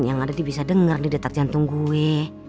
yang ada dia bisa denger di detak jantung gue